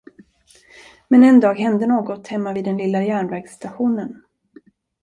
Men en dag hände något hemma vid den lilla järnvägsstationen.